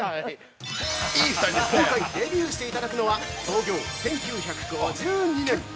◆今回デビューしていただくのは創業１９５２年！